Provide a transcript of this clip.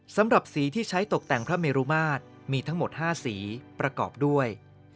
สำหรับสีที่ใช้ตกแต่งพระเมรุมาตรมีทั้งหมด๕สีประกอบด้วย